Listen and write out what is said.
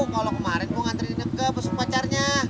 kalau kemarin gue ngantriin ineke masuk pacarnya